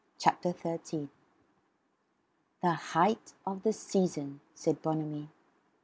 CHAPTER THIRTEEN "The Height of the season," said Bonamy.